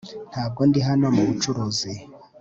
Ntabwo ndi hano mubucuruzi